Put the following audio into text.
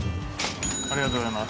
ありがとうございます。